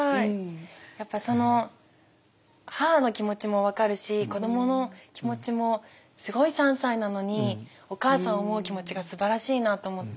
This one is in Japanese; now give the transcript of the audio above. やっぱその母の気持ちも分かるし子どもの気持ちもすごい３歳なのにお母さんを思う気持ちがすばらしいなと思って。